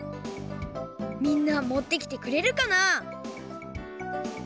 みんな持ってきてくれるかな？